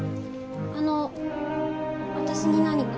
あの私に何か？